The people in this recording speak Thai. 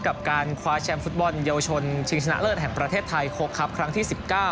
กับการคว้าแชมป์ฟุตบอลเยาวชนชิงชนะเลิศแห่งประเทศไทยคกครับครั้งที่๑๙